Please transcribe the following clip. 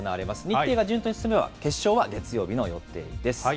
日程が順調に進めば、決勝は月曜日の予定です。